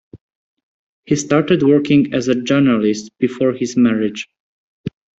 He started working as a journalist before his marriage.